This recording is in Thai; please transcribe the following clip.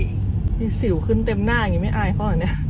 ด้วยสิวขึ้นเต็มหน้าไม่อายหรอ